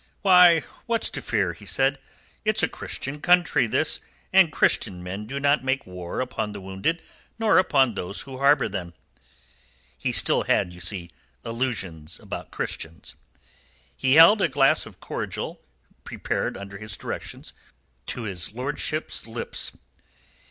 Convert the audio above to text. "Why, what's to fear?" he said. "It's a Christian country, this, and Christian men do not make war upon the wounded, nor upon those who harbour them." He still had, you see, illusions about Christians. He held a glass of cordial, prepared under his directions, to his lordship's lips.